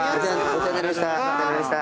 お世話になりました。